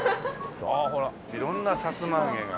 ああほら色んなさつま揚げが。